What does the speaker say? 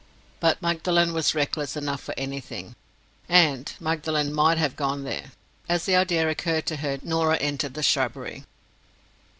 But Magdalen was reckless enough for anything—and Magdalen might have gone there. As the idea occurred to her, Norah entered the shrubbery.